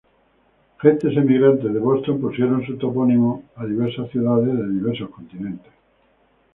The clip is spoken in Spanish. Gentes emigrantes de Boston pusieron su topónimo a diversas ciudades de diversos continentes.